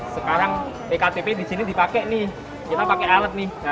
sekarang ektp di sini dipakai nih kita pakai alat nih